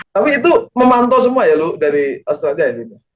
tapi itu memantau semua ya lu dari australia ya